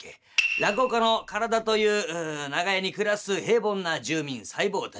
落語家の体という長屋に暮らす平凡な住民細胞たち。